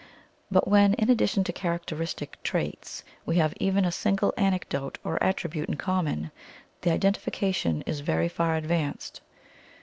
But when, in addition to characteristic traits, we have even a single anecdote or attribute in common, the identification is very far advanced.